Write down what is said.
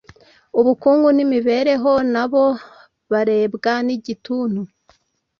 ubukungu n’imibereho nabo barebwa n’igituntu